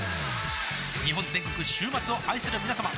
日本全国週末を愛するみなさま